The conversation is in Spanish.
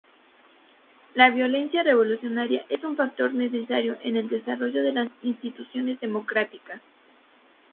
La violencia revolucionaria es un factor necesario en el desarrollo de las instituciones democráticas.